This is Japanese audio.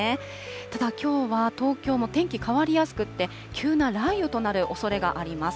ただ、きょうは東京も天気変わりやすくって、急な雷雨となるおそれがあります。